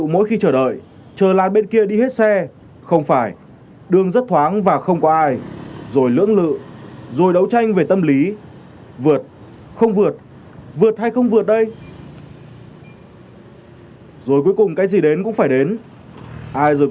mà nhiều người tôi đã chứng kiến là nhiều người